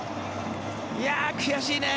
いやー、悔しいね。